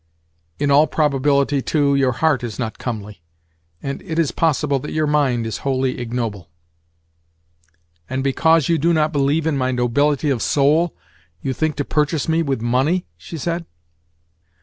In all probability, too, your heart is not comely, and it is possible that your mind is wholly ignoble." "And because you do not believe in my nobility of soul you think to purchase me with money?" she said.